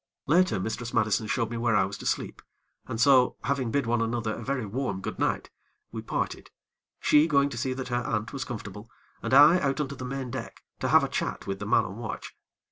Later Mistress Madison showed me where I was to sleep, and so, having bid one another a very warm good night, we parted, she going to see that her aunt was comfortable, and I out on to the main deck to have a chat with the man on watch.